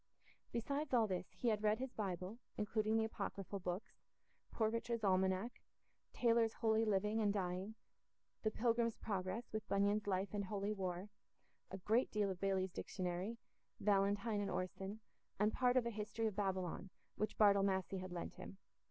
Besides all this, he had read his Bible, including the apocryphal books; Poor Richard's Almanac, Taylor's Holy Living and Dying, The Pilgrim's Progress, with Bunyan's Life and Holy War, a great deal of Bailey's Dictionary, Valentine and Orson, and part of a History of Babylon, which Bartle Massey had lent him.